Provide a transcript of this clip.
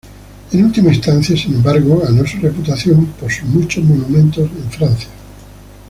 En última instancia, sin embargo, ganó su reputación por sus muchos monumentos en Francia.